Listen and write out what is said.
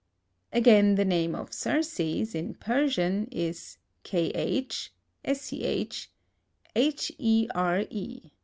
Again, the name of Xerxes, in Persian, is KH SCH H E R E.